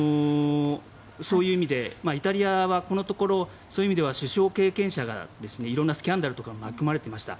そういう意味でイタリアはこのところそういう意味では首相経験者が色んなスキャンダルとかに巻き込まれていました。